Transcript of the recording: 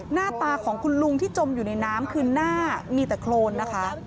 หน้าตาของคุณลุงที่จมอยู่ในน้ำคือหน้ามีแต่โครนนะคะ